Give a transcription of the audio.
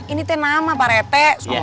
ini teh nama pak rete